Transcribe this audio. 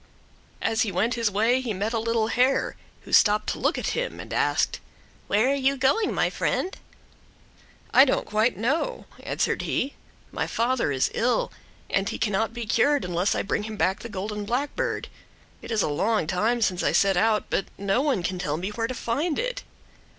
As he went his way he met a little hare, who stopped to looked at him and asked: "Where are you going, my friend?" "I really don't quite know," answered he. "My father is ill, and he cannot be cured unless I bring him back the golden blackbird. It is a long time since I set out, but no one can tell me where to find it."